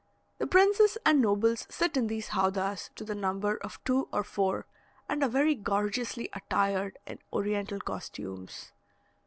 The princes and nobles sit in these howdahs to the number of two or four, and are very gorgeously attired in Oriental costumes.